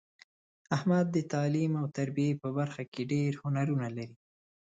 احمد د تعلیم او تربیې په برخه کې ډېر هنرونه لري.